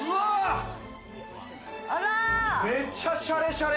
めっちゃ、しゃれしゃれ！